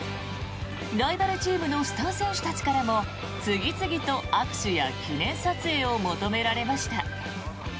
ライバルチームのスター選手からも次々と握手や記念撮影を求められました。